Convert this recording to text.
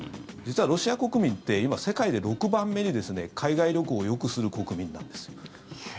実はロシア国民って今、世界で６番目に海外旅行をよくする国民なんです。